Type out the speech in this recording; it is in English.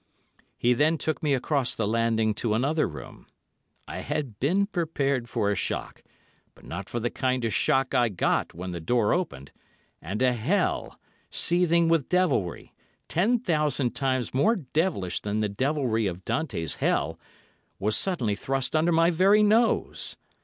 He then took me across the landing to another room. I had been prepared for a shock, but not for the kind of shock I got when the door opened, and a hell, seething with devilry—ten thousand times more devilish than the devilry of Dante's Hell—was suddenly thrust under my very nose.